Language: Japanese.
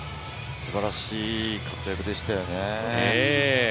素晴らしい活躍でしたね。